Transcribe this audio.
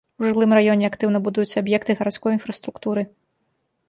У жылым раёне актыўна будуюцца аб'екты гарадской інфраструктуры.